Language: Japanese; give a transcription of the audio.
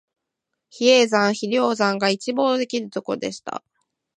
比叡山、比良山が一望できるところでした